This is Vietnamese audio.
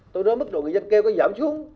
tôi nói mức độ người dân kêu có giảm xuống